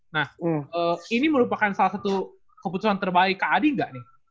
nah ini merupakan salah satu keputusan terbaik kak adi nggak nih